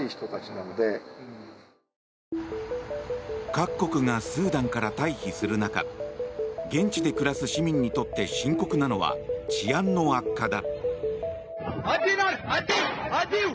各国がスーダンから退避する中現地で暮らす市民にとって深刻なのは治安の悪化だ。